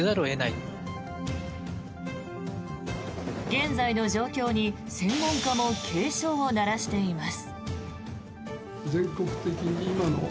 現在の状況に専門家も警鐘を鳴らしています。